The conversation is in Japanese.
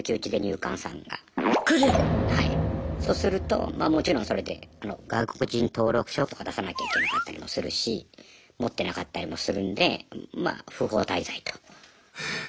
そうするとまあもちろんそれで外国人登録書とか出さなきゃいけなかったりもするし持ってなかったりもするんでまあ不法滞在と。